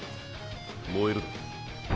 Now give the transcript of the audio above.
燃えるだろ？